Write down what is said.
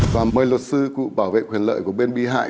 và mời luật sư cụ bảo vệ quyền lợi của bên bị hại